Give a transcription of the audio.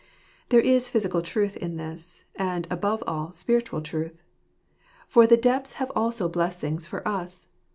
There is physical truth in this ; and, above all, spiritual truth. For the depths have also blessings for us.